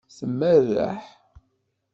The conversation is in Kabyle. Tmerreḥ.